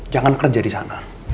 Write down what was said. jangan kerja di sana